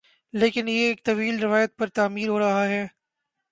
لیکن یہ ایک طویل روایت پر تعمیر ہو رہا ہے